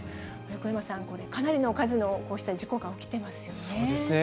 横山さん、これ、かなりの数のこうした事故が起きてますよね。